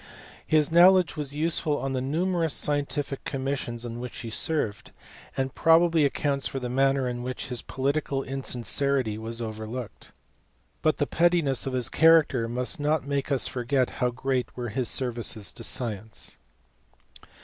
His knowledge was useful on the numerous scientific commissions on which he served, and probably accounts for the manner in which his political in sincerity was overlooked ; but the pettiness of his character must not make us forget how great were his services to science.